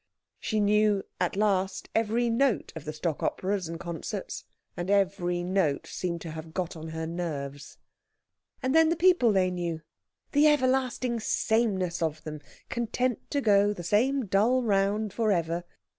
She knew at last every note of the stock operas and concerts, and every note seemed to have got on to her nerves. And then the people they knew the everlasting sameness of them, content to go the same dull round for ever.